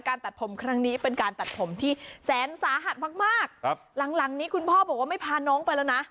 ตัดผมครั้งนี้เป็นการตัดผมที่แสนสาหัสมากมากครับหลังหลังนี้คุณพ่อบอกว่าไม่พาน้องไปแล้วนะ